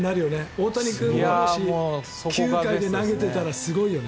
大谷君がもし９回で投げていたらすごいよね。